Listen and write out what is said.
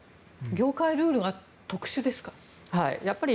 業界ルールが特殊ですか？